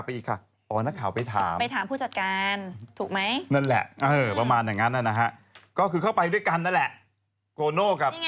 นี่ไงพี่ผู้จัดการคือคนด้านหน้า